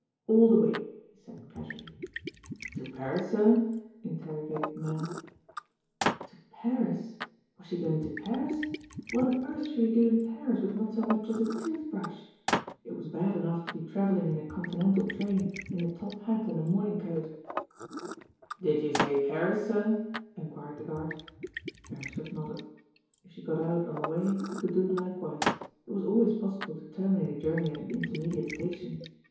All the way," he said casually. "To Paris, sir?" interrogated the man. . Jk ^u'^'Va u^r f\^T« t° Paris? What on earth should he do m Paris with not so much as a tooth brush ? It was bad enough to be traveUine in a contmental train m a top hat and a morning coa t I * "Did you say Paris, sir?" enquired the guard. Beresford nodded. If she got out on the way he could do likewise. It was always possible to termmate a journey at an intermediate station.